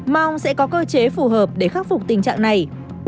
mong sẽ có cơ chế phù hợp để khắc phục tình trạng này